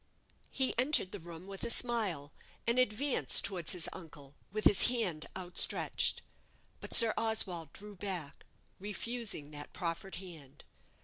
He entered the room with a smile, and advanced towards his uncle, with his hand outstretched. But Sir Oswald drew back, refusing that proffered hand.